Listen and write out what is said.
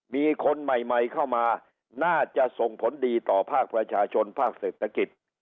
มีคนใหม่เข้ามาน่าจะส่งผลดีต่อภาคประชาชนภาคเศรษฐกิจ